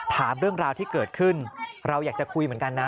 ถามเรื่องราวที่เกิดขึ้นเราอยากจะคุยเหมือนกันนะ